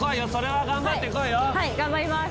はい頑張ります。